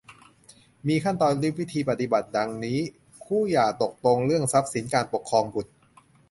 มีขั้นตอนและวิธีปฏิบัติ ดังนี้ คู่หย่าตกลงเรื่องทรัพย์สิน การปกครองบุตร